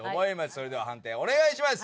それでは判定お願いします。